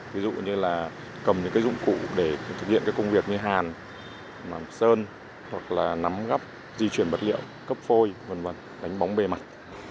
ví dụ như là cầm những cái dụng cụ để thực hiện các công việc như hàn sơn hoặc là nắm gắp di chuyển bật liệu cấp phôi v v đánh bóng bề mặt